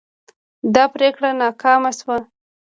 دا پریکړه ناکامه شوه.